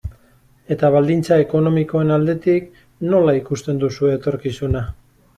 Eta baldintza ekonomikoen aldetik, nola ikusten duzu etorkizuna?